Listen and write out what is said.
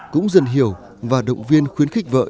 cũng dần hiểu và động viên khuyến khích vợ